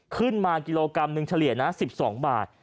ขึ้นมากิโลกรัมหนึ่งเฉลี่ยนะ๑๒บาท